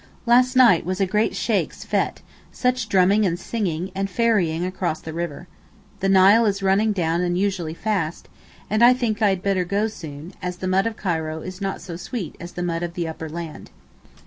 Last night was a great Sheykh's fête, such drumming and singing, and ferrying across the river. The Nile is running down unusually fast, and I think I had better go soon, as the mud of Cairo is not so sweet as the mud of the upper land.